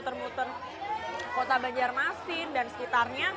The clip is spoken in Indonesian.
setelah dari pagi banget tot